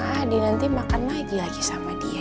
adik adik yang nanti makan lagi lagi sama dia